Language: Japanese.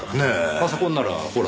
パソコンならほら